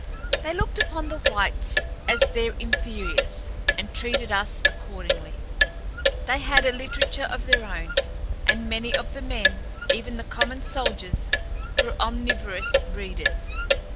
They looked upon the whites as their inferiors, and treated us accordingly. They had a literature of their own, and many of the men, even the common soldiers, were omnivorous readers.